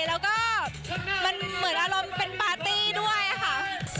แล้วก็มันเหมือนอารมณ์เป็นปาร์ตี้ด้วยค่ะ